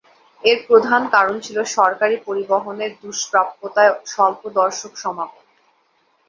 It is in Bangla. এর প্রধান কারণ ছিল সরকারি পরিবহনের দুষ্প্রাপ্যতায় স্বল্প দর্শক সমাগম।